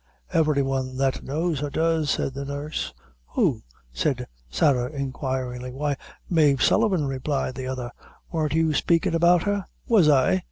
"Every one that knows her does," said the nurse. "Who?" said Sarah, inquiringly. "Why, Mave Sullivan," replied the other; "worn't you spakin' about her?" "Was I?"